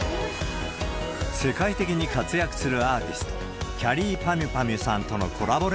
世界的に活躍するアーティスト、きゃりーぱみゅぱみゅさんとのコラボ